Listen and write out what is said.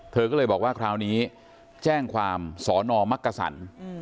เธอก็เลยบอกว่าคราวนี้แจ้งความสอนอมักกษัน